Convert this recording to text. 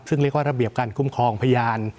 ซึ่งเรียกว่าระเบียบการคุ้มครองพยาน